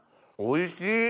おいしい。